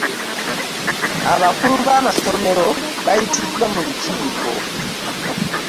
Abakulu b'amasomero bayitiddwa mu lukiiko.